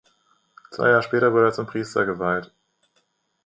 Zwei Jahre später wurde er zum Priester geweiht.